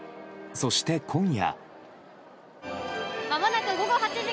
そして今夜。